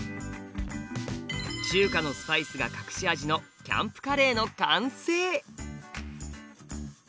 中華のスパイスが隠し味の「キャンプカレー」の完成。